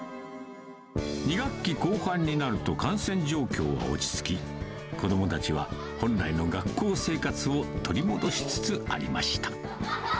２学期後半になると感染状況が落ち着き、子どもたちは、本来の学校生活を取り戻しつつありました。